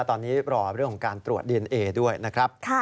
ตอนนี้รอเรื่องของการตรวจดีเอนเอด้วยนะครับ